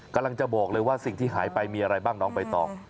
กำลังจะบอกเลยว่าสิ่งที่หายไปมีอะไรบ้างน้องใบตอง